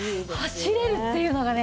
走れるっていうのがね